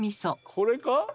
これか？